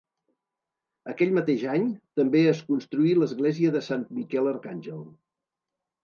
Aquell mateix any també es construí l'església de Sant Miquel Arcàngel.